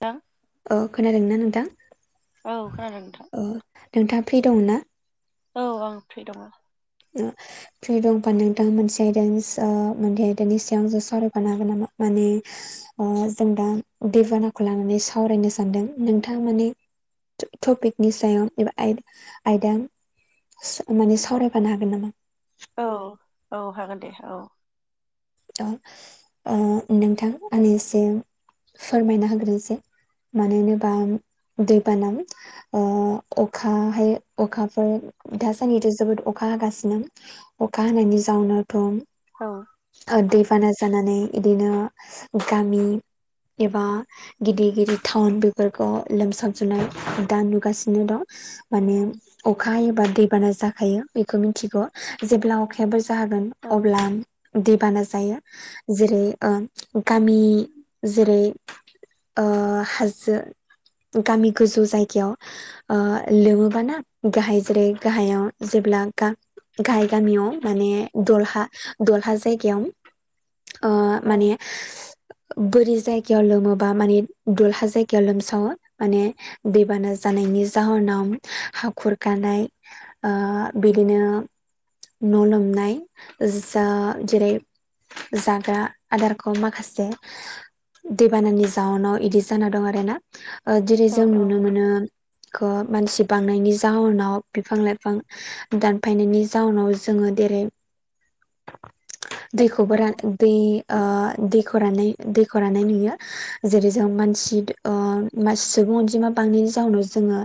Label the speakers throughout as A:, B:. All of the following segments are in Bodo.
A: दा
B: औ खोनादों ना नोंथां
A: औ खोनादों नोंथां
B: ओ नोंथाङा फ्रि दं ना
A: औ आं फ्रि दङ
B: ओम फ्रि दंबा नोंथां मोनसे आयदानिस ओ मोने आयदनि सायाव जों सावरायफानो हागोन नामा माने ओ जों दा दबानाखौ लानानै सावरायनो सानदों नोंथाङा माने टपिकनि सायाव एबा आयदा माने सावराय फानोनो हागोन नामा
A: औ औ हागोन दे औ
B: ओ नोंथां आंनो एसे फोरमायना होग्रोसै मानो होनोबा दैबाना ओ अखा हाय अखाफोर दासान्दिथ' जोबोद अखा हागासिनो अखा हानायनि जाउनावथ'
A: औ
B: दैबाना जानानै इदिनो गामि एबा गिदिर गिदिर टाउन बेफोरखौ लोमसाबजुनाय दा नुगासिनो दं माने अखा एबा दैबाना जाखायो बेखौ मिथिगौ जेब्ला अखा आखायाबो जाहागोन
A: औ
B: अब्ला दैबाना जायो जेरै ओ गामि जेरै ओ हाजो गामि गोजौ जायगायाव ओ लोमोबाना गाहाय जेरै गाहायाव जेब्ला गा गाहाय गामियाव माने दलहा दलहा जायगायाव माने
A: [unintelligible]
B: बोरि जायगायाव लोमोबा माने दलहा जायगायाव लोमसावो माने दैबाना जानायनि जाहोनाव हाखर गानाय बिदिनो न' लोमनाय जेरै जाग्रा आदारखौ माखासे दैबानानि जाउनाव बिदि जाना दं आरो ना जेरै
A: औ
B: जों नुनो मोनो खौ मानसि बांनायनि जााहोनाव बिफां लाइफां दानफायनायनि जाउनाव जोङो देरै
A: औ
B: दैखौबो रान दै दैख रानाय दैखरानाय नुयो जेरै जों मानसि सुबुं अनजिमा गोबांनि जाहोनाव जोङो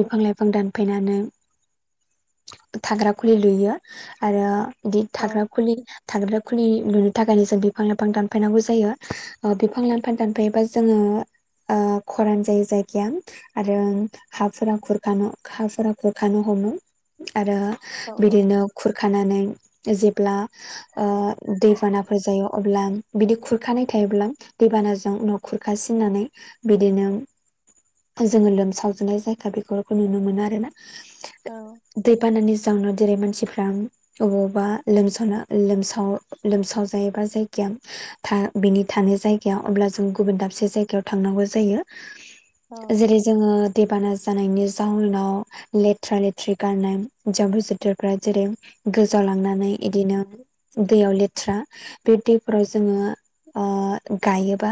B: बिफां लाइफां दानफैनानै थाग्रा खुलि लुयो आरो बिदि
A: औ
B: थाग्रा खुलि थादोब्ला खुलि नुनो थाखायनो जों बिफां लाइफां दानफायनांगौ जायो बिफां लानफां दानफायोबा जोङो खरान जायो जायगाया आरो हाफोरा खुरखानो हाफोरा खुरखानो हमो आरो
A: औ
B: बिदिनो खुरखानानै जेब्ला दैबानाफोर जायो अब्ला बिदि खुरखानाय थायोब्ला दैबानाजों न' खुरखासिनानै बिदिनो जोङो लोमसावजनाय जायगा बेफोरखौ नुनो मोनो आरो ना
A: औ
B: दै बानानि जाहोनाव जेरै मानसिफ्रा अबावबा लोमसावना [unintelligible] लोमसाव जायोबा जायगाया बिनि थानाय जायगाया अब्ला जों गुबुन दाबसे जायगायाव थांनांगौ जायो जेरै जोङो दैबाना जानायनि जाउनाव लेथ्रा लेथ्रि गारनाय जाम्बु जोथोरफ्रा जेरै गोजाव लांनानै इदिनो दैयाव लेथ्रा बे दैफोराव जोङो गायोबा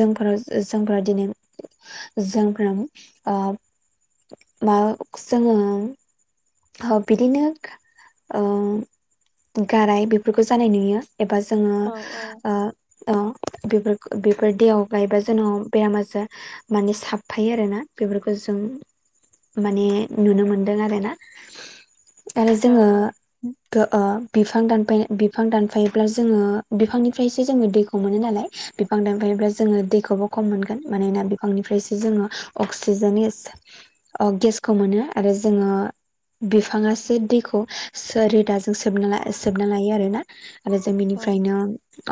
B: जोंफोर जोंफोरा दिनै [unintelligible] बिदिनो गाराय बेफोरखौ जानाय नुयो एबा जोङो औ बे बेफोर दैयाव गायबा जेन' बेराम आजार माने साबफायो आरोना बेफोरखौ जों माने नुनो मोनदों आरो ना आरो जोङो बिफां दानफायनाय बिफां दानफायोब्ला जोङो बिफांनिफ्रायसो जोङो दैखौ मोनो नालाय बिफां दानफायोब्ला जोङो दैखौबो खम मोनगोन मानोना बिफांनिफ्रायसो जोङो अक्सिजेननि गेसखौ मोनो आरो जोङो बिफाङासो दैखौ रोदाजों स सोबना लााय [unintelligible] आरोना आरो जों बेनिफ्रायनो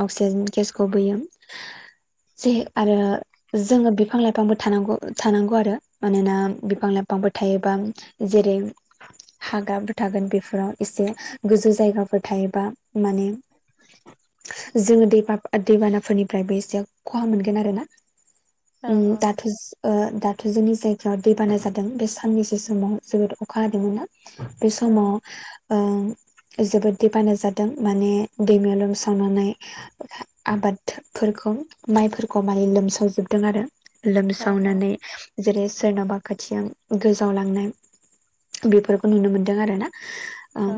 B: अक्सिजेन गेसखौ बोयो जे आरो जोङो बिफां लाइफांबो थानांगौ थानांगौ आरो मानोना बिफां लाइफांबो थायोबा जेरै हाग्राफोर थागोन बेफोराव एसे गोजौ जायगाफोर थायो बा माने जोङो दैबा दैबानाफोरनिफ्रायबो एसे खहा मोनगोन आरो ना उम दाथ' दाथ' जोंनि जायगायाव दैबाना जादों बे साननैसो समाव जोबोद अखा हादोंमोनना बे समाव जोबोद दैबाना जादों माने दैमायाव लोम सावनानै आबादफोरखौ माइफोरखौ माने लोमसावजोबदों आरो
A: औ
B: लोमसावनानै जेरै सोरनाबा खोथिया गोजावलांनाय बेफोरखौ नुनो मोनदों आरो ना ओम
A: औ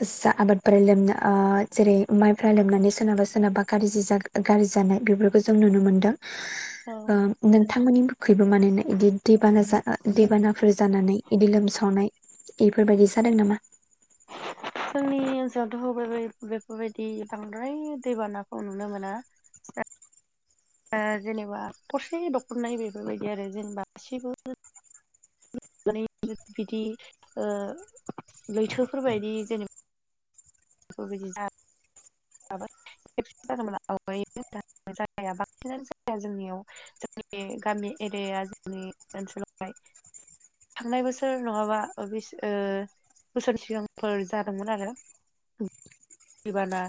B: [unintelligible] आबादफोरा लोमना आ जेरै माइफ्रा लोमनानै सोरनाबा सोरनाबा गाज्रि जागो गाज्रि जानाय बेफोरखौ जों नुनो मोनदों
A: [inaudible]
B: ओ नोंथांमोननि खैबो मानोना इदि दैबाना जा दैबानाफोर जानानै इदि लोमसावनाय बेफोरबायदि जादों नामा?
A: [inaudible] जोंनि ओनसोलावथ' बे बेफोरबायदि बांद्राय दैबानाखौ नुनो मोना ओ जेनेबा थरसे दख'ननाय बेफोरबायदि आरो जेनेबा गासिबो बिदि ओ लैथोफोरबायदि जेने बेफोरबायदि जा [unintelligible] जोंनियाव [unintelligible] जोंनि गामि एरियाया जोंनि ओनसोलावहाय थांनाय बोसोर नङाबा ओ बिस ओ बोसोर सिगांफोर जादोंमोन आरो दैबाना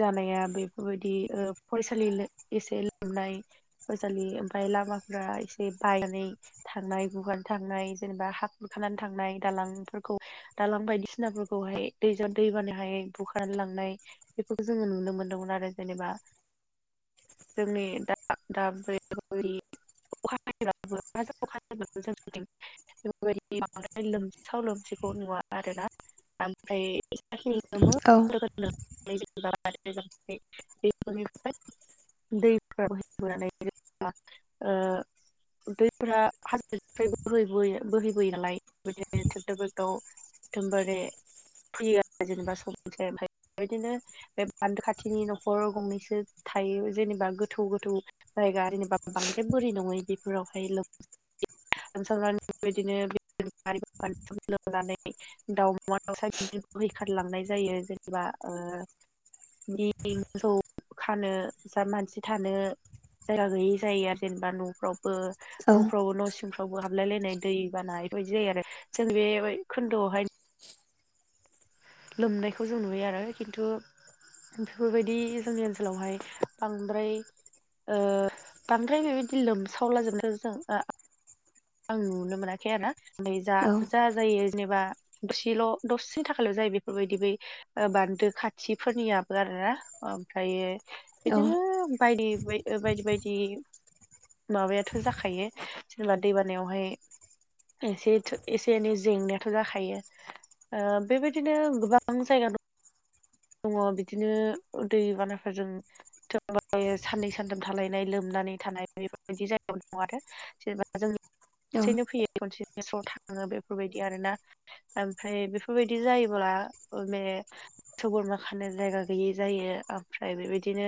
A: जानाया बेफोरबायदि ओ फरायसालि एसे लोमनाय बजालि ओमफ्राय लामाफोरा एसे बायनाय थांनाय गुगाना थांनाय जेनेबा हा खुरखानानै थांनाय दालांफोरखौ दालां बायदिसिनाफोरखौहाय दैजों दैबानायाहाय बुखार लांनाय बेफोरखौ जोङो नुनो मोनदोंमोन आरो जेनेबा जोंनि दा [unintelligible] अखा हायोबा थ' जोंथिं [inaudible] बेफोरबायदि बांद्राय लोमसाव लोमसिखौ नुवा आरो ना बे
B: औ
A: [inaudible] दैफोर हाबबानै जेब्ला ओ दैफोरा हाजोफ्राय बोहै बोहैबोयो नालाय बिदिनो ट्रेक्टर बेेक्टाव एकदमबारे फैयो आरो जेनेबा सम मोनसे ओमफ्राय बेबायदिनो बे बान्दो खाथिनि न'खर गंनैसो थायो जेनेबा गोथौ गोथौ जायगा जेनेबा बांद्राय बोरै नङै बेफोरावहाय लोम सनानै बेबायदिनो लोंनानै [inaudible] दाउ अमा दाउसा बिदि बोहैखारलांनाय जायो जेनेबा ओ बि मोसौ खानो जा मानसि थानो जायगा गैयि जायो आरो जेनेबा न'फ्रावबो
B: औ
A: न'फ्रावबो न' सिंफ्रावबो हाबलाय लायनाय दै बाना एफोरबायदि जायो आरो जों बे खोन्दोआवहाय लोमनायखौ जों नुयो आरो खिन्थु बिफोरबायदि जोंनि ओनसोलावहाय बांद्राय ओ बांद्राय बेबायदि लोमसावलाजोबनाय जों आ आं नुनो मोनाखै आरो ना ओमफ्राय जा
B: औ
A: जा जायो जेनेबा दसेल' दसे था ल' जायो बेफोरबायदि बै बान्दो खाथिफोरनियाबो आरो ना ओमफ्रायो
B: औ
A: बिदिनो बायदि बाय ओ बायदि बायदि माबायाथ' जाखायो जेनेबा दैबानायावहाय एसे थ' एसे एनै जेंनायाथ' जाखायो ओ बेबाय दिनो गोबां जायगा दं दङ' बिदिनो दै बानाफोरजों [unintelligible] साननै सानथाम थालायनाय लोमनानै थानाय बेफोरबायदि जायगायाव दङ आरो जेनेबा जों
B: औ
A: खनसेनो फैयो खनसेनिसाव थाङो बेफोरबायदि आरोना ओमफ्राय बेफोरबायदि जायोब्ला माने सौ बोरमा खानो जायगा गैयि जायो ओमफ्राय बेबायदिनो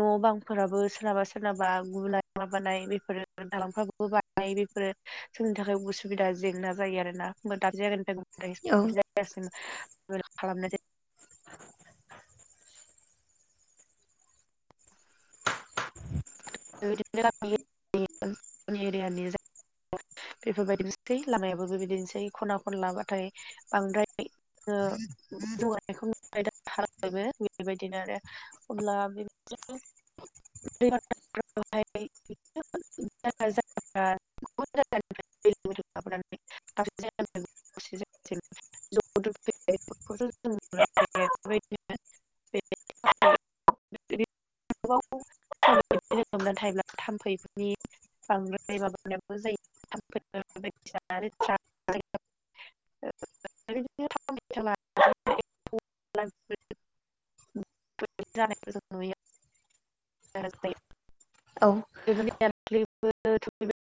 A: न' बां फोराबो सोरनाबा सोरनाबा गुनाय माबानाय बेफोर दालांफ्राबो बाय बेफोरो जोंनि थाखाय उसुबिदा जेंना जायो आरोना होमबा [unintelligible] जायगासिम खालामनाय जायो। [unintelligible] बेफोरबायदिनोसै लामायाबो बेबायदिनोसै खना खनलाबाथाय बांद्राय ओ जौगानायखौबायबो बेबायदिनो आरो अब्ला बेदिनो [unintelligible] [unintelligible] [unintelligible] [unintelligible] [unintelligible] [unintelligible] जानायखौ जों [unintelligible] [unintelligible]
B: औ।
A: [unintelligible]